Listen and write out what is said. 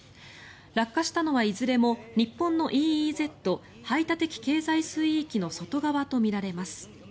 落下したのは、いずれも日本のＥＥＺ・排他的経済水域の外側とみられます。